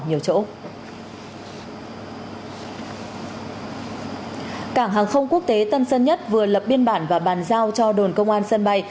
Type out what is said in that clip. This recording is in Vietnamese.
cảng hàng không quốc tế tân sơn nhất vừa lập biên bản và bàn giao cho đồn công an sân bay